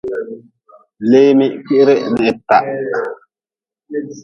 Leemi kwihre n hitah.